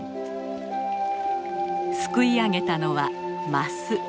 すくいあげたのはマス。